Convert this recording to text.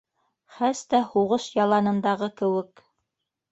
Хәс тә һуғыш яланындағы кеүек.